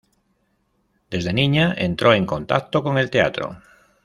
Desde niña entró en contacto con el teatro.